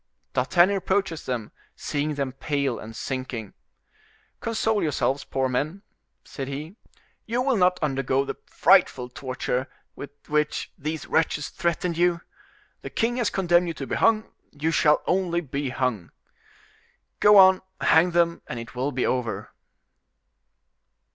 D'Artagnan approaches them, seeing them pale and sinking: "Console yourselves, poor men," said he, "you will not undergo the frightful torture with which these wretches threatened you. The king has condemned you to be hung: you shall only be hung. Go on, hang them, and it will be over."